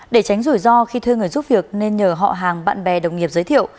để tránh rủi ro khi thuê người giúp việc nên nhờ họ hàng bạn bè đồng nghiệp giới thiệu